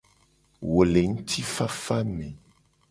Wo le ngtifafa me.